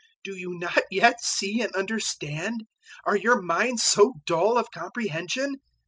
Do you not yet see and understand? Are your minds so dull of comprehension?